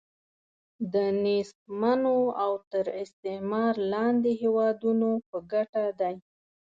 د نېستمنو او تر استعمار لاندې هیوادونو په ګټه دی.